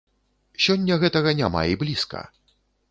Сёння гэтага няма і блізка.